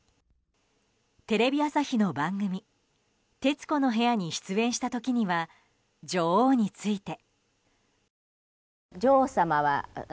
テレビ朝日の番組「徹子の部屋」に出演した時には女王について。